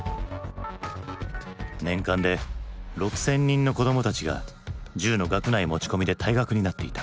年間で６，０００人の子どもたちが銃の学内持ち込みで退学になっていた。